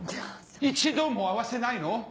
一度も合わせないの？